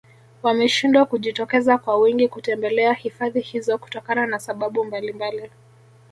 wameshindwa kujitokeza kwa wingi kutembelea hifadhi hizo kutokana na sababu mbalimbali